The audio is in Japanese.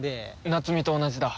夏美と同じだ。